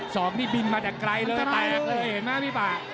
สอบนี่บินมาแต่ไกลเลยแตกเลยเห็นไหมพี่ป่า